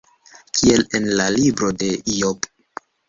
Kiel en la libro de Ijob.